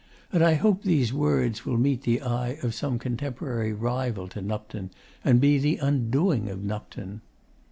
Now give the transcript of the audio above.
And I hope these words will meet the eye of some contemporary rival to Nupton and be the undoing of Nupton.